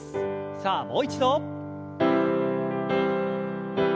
さあもう一度。